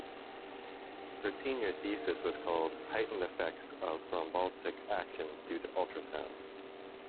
Her senior thesis was called "Heightened Effects of Thrombolytic Actions Due to Ultrasound".